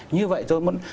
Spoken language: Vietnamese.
như vậy tôi muốn